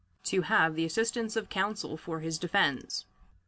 . to have the assistance of counsel for his defense."